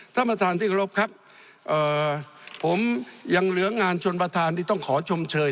ท่านประธานที่เคารพครับผมยังเหลืองานชนประธานที่ต้องขอชมเชย